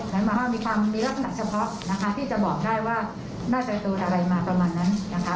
เหมือนมีความมีลักษณะเฉพาะที่จะบอกได้ว่าน่าจะโดนอะไรมาประมาณนั้น